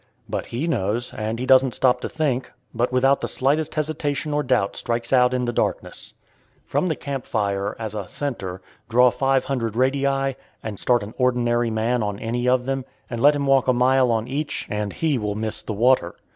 But he knows, and he doesn't stop to think, but without the slightest hesitation or doubt strikes out in the darkness. From the camp fire as a centre, draw 500 radii, and start an ordinary man on any of them, and let him walk a mile on each, and he will miss the water.